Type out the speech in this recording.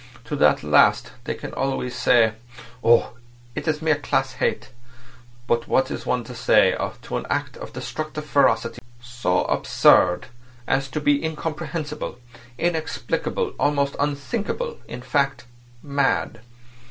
To that last they can always say: 'Oh! it's mere class hate.' But what is one to say to an act of destructive ferocity so absurd as to be incomprehensible, inexplicable, almost unthinkable; in fact, mad?